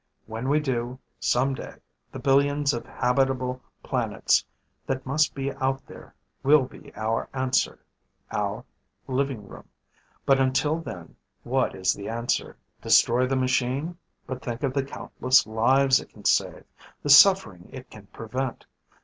When we do, someday, the billions of habitable planets that must be out there will be our answer ... our living room. But until then, what is the answer? "Destroy the machine? But think of the countless lives it can save, the suffering it can prevent.